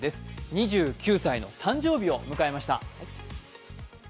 ２９歳誕生日を迎えました。